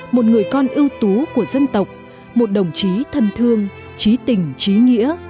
một người con ưu tú của dân tộc một đồng chí thân thương trí tình trí nghĩa